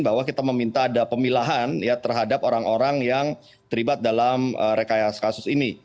bahwa kita meminta ada pemilahan terhadap orang orang yang terlibat dalam rekayasa kasus ini